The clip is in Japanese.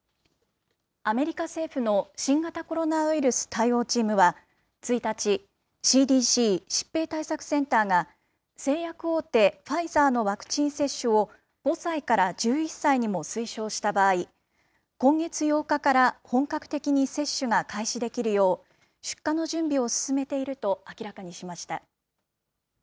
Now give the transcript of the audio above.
アメリカ政府の新型コロナウイルス対応チームは、１日、ＣＤＣ・疾病対策センターが、製薬大手、ファイザーのワクチン接種を５歳から１１歳にも推奨した場合、今月８日から本格的に接種が開始できるよう出荷の準備を進めていると明らかにしました。